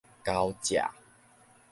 猴蔗